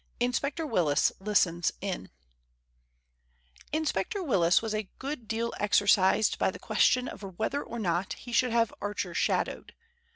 INSPECTOR WILLIS LISTENS IN Inspector Willis was a good deal exercised by the question of whether or not he should have Archer shadowed.